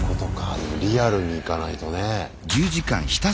でもリアルにいかないとね。